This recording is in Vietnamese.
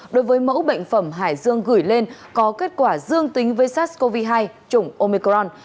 đối với mẫu bệnh phẩm hải dương gửi lên có kết quả dương tính với sars cov hai chủng omicron